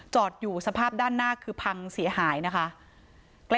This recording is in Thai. อยู่สภาพด้านหน้าคือพังเสียหายนะคะ